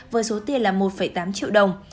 với số tiền là một tám triệu đồng